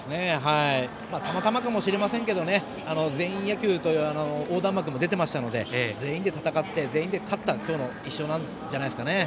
たまたまかもしれませんが全員野球という横断幕も出ていましたので全員で戦って、全員で勝った今日の１勝じゃないですかね。